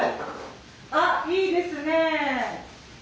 あっいいですねえ。